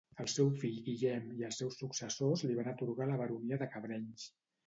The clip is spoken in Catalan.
Al seu fill Guillem i els seus successors li va atorgar la baronia de Cabrenys.